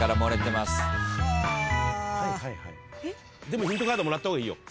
でもヒントカードもらった方がいいよ。